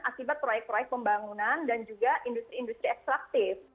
akibat proyek proyek pembangunan dan juga industri industri ekstraktif